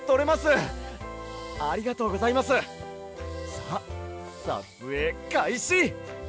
さあさつえいかいし！